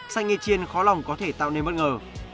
sang ye chien khó lòng có thể tạo nên bất ngờ